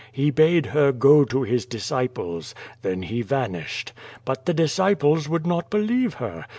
He bade her go to His disciples. Then He vanished. But the dis ciples would not believe her.